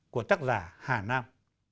của tác giả hà nam